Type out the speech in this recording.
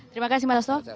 terima kasih mbak hasto